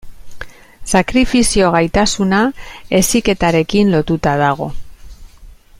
Sakrifizio gaitasuna heziketarekin lotuta dago.